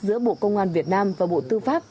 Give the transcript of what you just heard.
giữa bộ công an việt nam và bộ tư pháp